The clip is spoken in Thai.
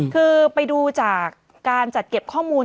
คือไปดูจากการจัดเก็บข้อมูล